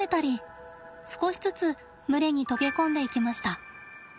少しずつ群れに溶け込んでいきました。